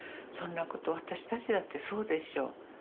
そんなこと私たちだってそうでしょう。